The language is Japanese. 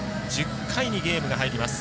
１０回にゲームに入ります。